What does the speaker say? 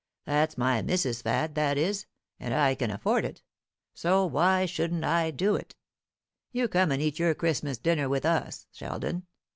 That's my missus's fad, that is, and I can afford it; so why shouldn't I do it? You come and eat your Christmas dinner with us, Sheldon.